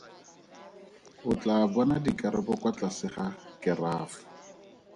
O tlaa bona dikarabo kwa tlase ga kerafo.